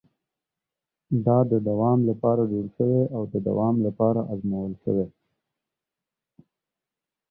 دا د دوام لپاره جوړ شوی او د دوام لپاره ازمول شوی.